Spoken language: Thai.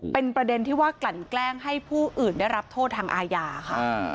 เป็นประเด็นที่ว่ากลั่นแกล้งให้ผู้อื่นได้รับโทษทางอาญาค่ะ